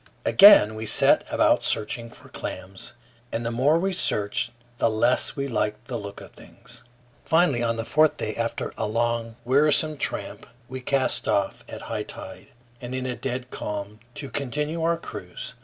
Again we set about searching for claims, and the more we searched the less we liked the look of things. Finally, on the fourth day, after a long, wearisome tramp, we cast off at high tide, and in a dead calm, to continue our cruise.